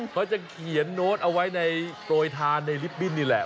เขาจะเขียนโน้ตเอาไว้ในโปรยทานในลิฟตบิ้นนี่แหละ